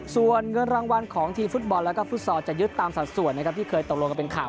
ส่วนเงินรางวัลของทีมฟุตบอลแล้วก็ฟุตซอลจะยึดตามสัดส่วนนะครับที่เคยตกลงกันเป็นข่าว